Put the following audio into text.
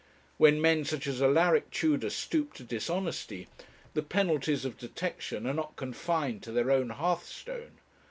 When men such as Alaric Tudor stoop to dishonesty, the penalties of detection are not confined to their own hearthstone.